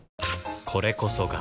これこそが